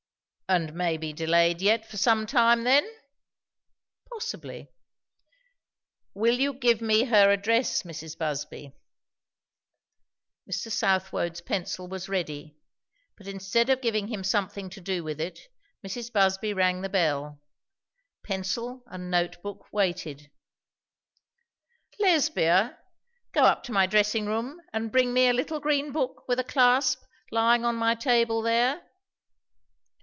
"And may be delayed yet for some time, then?" "Possibly." "Will you give me her address, Mrs. Busby." Mr. Southwode's pencil was ready, but instead of giving him something to do with it, Mrs. Busby rang the bell. Pencil and notebook waited. "Lesbia, go up to my dressing room and bring me a little green book with a clasp lying on my table there."